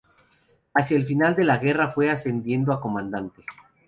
Hacia el final de la guerra fue ascendido a comandante.